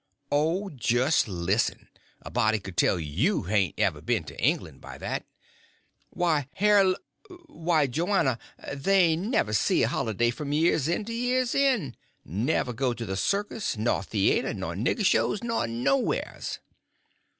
"Oh, just listen! A body could tell you hain't ever been to England by that. Why, Hare l—why, Joanna, they never see a holiday from year's end to year's end; never go to the circus, nor theater, nor nigger shows, nor nowheres."